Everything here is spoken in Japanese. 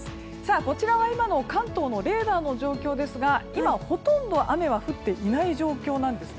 こちらは今の関東のレーダーの状況ですが今、ほとんど雨は降っていない状況なんです。